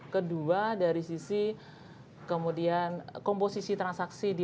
kedua dari sisi kemudian komposisi transaksi di